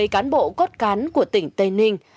một mươi cán bộ cốt cán của tỉnh tây ninh